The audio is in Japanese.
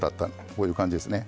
こういう感じですね。